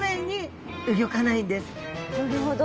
なるほど。